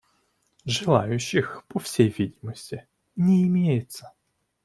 Желающих, по всей видимости, не имеется.